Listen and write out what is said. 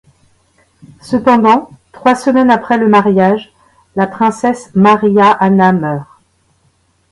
Cependant, trois semaines après le mariage, la princesse Maria Anna meurt.